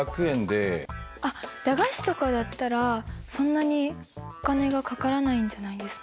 あっ駄菓子とかだったらそんなにお金がかからないんじゃないですか。